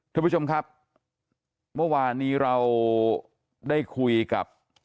ท่านผู้ชมครับเมื่อวานนี้เราได้คุยกับ